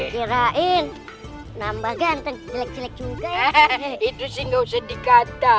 kirain nambah ganteng itu sih nggak usah dikata